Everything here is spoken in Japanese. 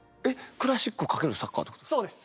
クラシック×サッカーっていうことですか？